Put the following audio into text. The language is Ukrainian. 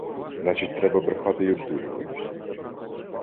Значить, треба брехати й обдурювати?